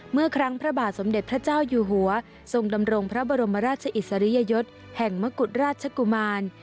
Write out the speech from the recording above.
เมื่อครั้งพระบาทสมเด็จพระเจ้าอยู่หัวทรงดำรงพระบรมราชอิสริยยศแห่งมกุฎราชกุมาร